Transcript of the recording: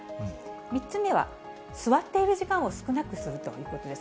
３つ目は、座っている時間を少なくするということです。